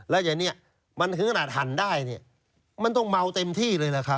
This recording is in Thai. แล้วอย่างนี้มันถึงขนาดหั่นได้เนี่ยมันต้องเมาเต็มที่เลยนะครับ